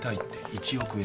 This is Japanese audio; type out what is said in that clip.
１億円。